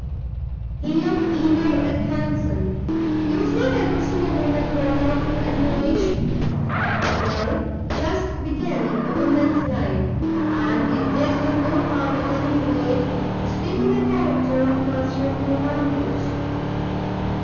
He looked eager and handsome. He was not addressing a woman worn out with admiration, but a girl just beginning a woman's life; and it did him no harm, at any rate, to speak in the character of master of Thorpe Ambrose.